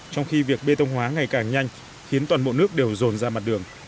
trong khi việc bê tông hóa ngày càng nhanh khiến toàn bộ nước đều rồn ra mặt đường